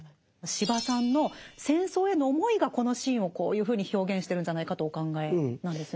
司馬さんの戦争への思いがこのシーンをこういうふうに表現してるんじゃないかとお考えなんですよね。